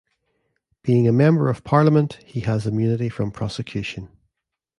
Being a member of Parliament, he has immunity from prosecution.